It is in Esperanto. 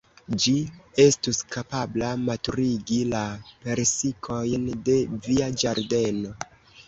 Ĝi estus kapabla maturigi la persikojn de via ĝardeno.